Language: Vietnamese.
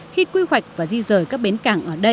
khi quy hoạch và di rời các bến cảng